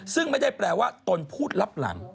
ซึ่งไม่ได้แปลว่าตนพูดรับหลัง